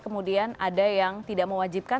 kemudian ada yang tidak mewajibkan